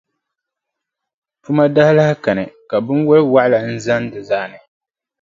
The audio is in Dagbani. Puma maa daa lahi kani ka binwalʼ waɣila n-zani di zaani.